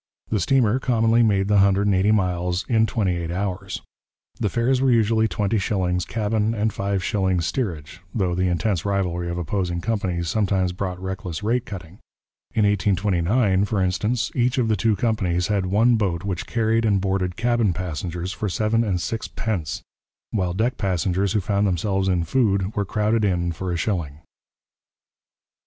the steamer commonly made the hundred and eighty miles in twenty eight hours. The fares were usually twenty shillings cabin and five shillings steerage, though the intense rivalry of opposing companies sometimes brought reckless rate cutting. In 1829, for instance, each of the two companies had one boat which carried and boarded cabin passengers for seven and six pence, while deck passengers who found themselves in food were crowded in for a shilling.